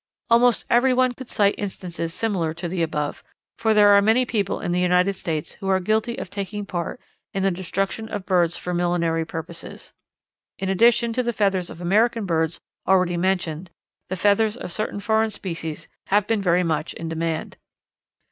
Almost every one could cite instances similar to the above, for there are many people in the United States who are guilty of taking part in the destruction of birds for millinery purposes. In addition to the feathers of American birds already mentioned the feathers of certain foreign species have been very much in demand.